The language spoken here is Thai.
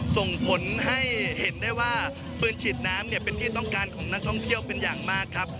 ส่งผลให้เห็นได้ว่าปืนฉีดน้ำเป็นที่ต้องการของนักท่องเที่ยวเป็นอย่างมากครับ